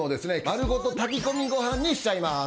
丸ごと炊き込みご飯にしちゃいます。